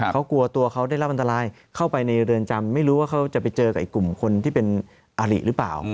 เขากลัวตัวเขาได้รับอันตรายเข้าไปในเรือนจำไม่รู้ว่าเขาจะไปเจอกับกลุ่มคนที่เป็นอาริหรือเปล่า